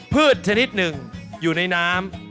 ชนิดหนึ่งอยู่ในน้ำ